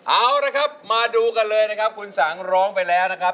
เอาละครับมาดูกันเลยนะครับคุณสังร้องไปแล้วนะครับ